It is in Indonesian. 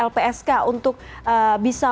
lpsk untuk bisa